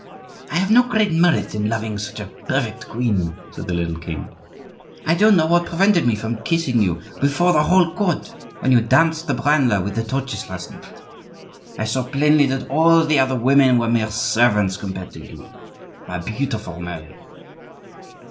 "I have no great merit in loving such a perfect queen," said the little king. "I don't know what prevented me from kissing you before the whole court when you danced the branle with the torches last night! I saw plainly that all the other women were mere servants compared to you, my beautiful Mary."